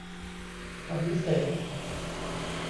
คำวิเศษณ์